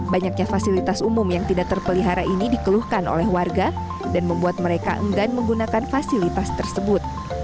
banyaknya fasilitas umum yang tidak terpelihara ini dikeluhkan oleh warga dan membuat mereka enggan menggunakan fasilitas tersebut